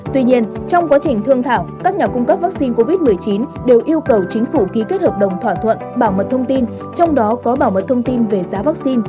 tuy nhiên trong quá trình thương thảo các nhà cung cấp vaccine covid một mươi chín đều yêu cầu chính phủ ký kết hợp đồng thỏa thuận bảo mật thông tin trong đó có bảo mật thông tin về giá vaccine